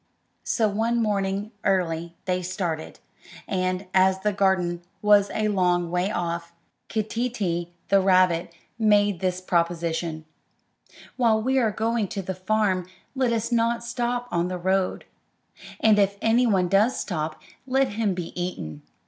So one morning, early, they started, and, as the garden was a long way off, Keeteetee, the rabbit, made this proposition: "While we are going to the farm, let us not stop on the road; and if any one does stop, let him be eaten."